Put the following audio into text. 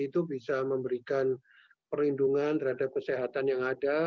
itu bisa memberikan perlindungan terhadap kesehatan yang ada